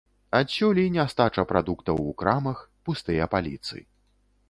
Адсюль і нястача прадуктаў у крамах, пустыя паліцы.